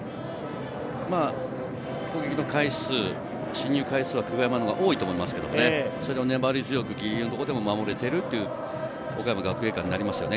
攻撃の回数、進入回数は久我山のほうが多いと思いますけど、粘り強くギリギリのところで守れているという岡山学芸館になりますね。